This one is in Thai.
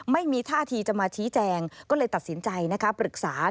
ไม่มีท่าทีจะมาชี้แจงก็เลยตัดสินใจนะคะปรึกษา